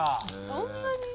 「そんなに？」